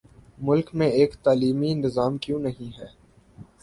ملک میں ایک تعلیمی نظام کیوں نہیں ہے؟